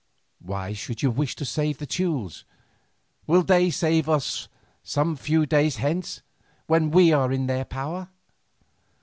"Why should you wish to save the Teules? Will they save us some few days hence, when we are in their power?"